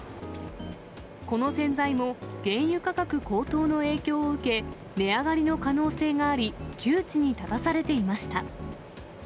この洗剤も、原油価格高騰の影響を受け、値上がりの可能性があり、窮地に立たされていました。